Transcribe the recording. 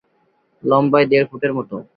লম্বায় দেড় ফুটের মতো।